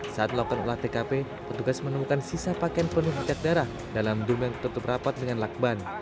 saat melakukan olah tkp petugas menemukan sisa pakaian penuh ikat darah dalam gedung yang tertutup rapat dengan lakban